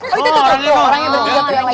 oh itu tuh orangnya berjigat ternyata